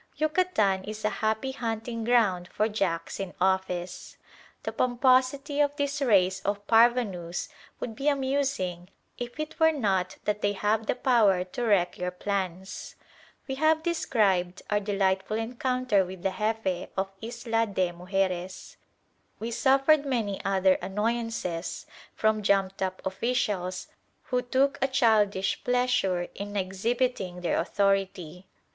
Yucatan is a happy hunting ground for "Jacks in Office." The pomposity of this race of parvenus would be amusing if it were not that they have the power to wreck your plans. We have described our delightful encounter with the Jefe of Isla de Mujeres. We suffered many other annoyances from jumped up officials who took a childish pleasure in exhibiting their authority.